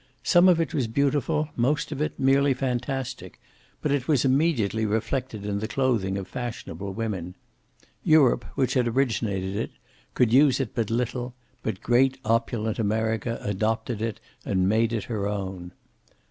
Some of it was beautiful, most of it merely fantastic. But it was immediately reflected in the clothing of fashionable women. Europe, which had originated it, could use it but little; but great opulent America adopted it and made it her own.